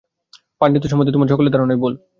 পাণ্ডিত্য সম্বন্ধে তোমাদের সকলেরই ধারণা ভুল।